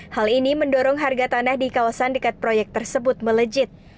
hal ini mendorong harga tanah di kawasan dekat proyek tersebut melejit